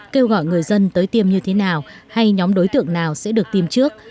kêu gọi người dân tới tiêm như thế nào hay nhóm đối tượng nào sẽ được tiêm trước